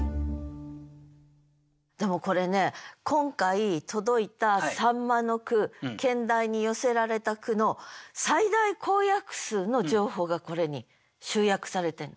でもこれね今回届いた「秋刀魚」の句兼題に寄せられた句の最大公約数の情報がこれに集約されてんの。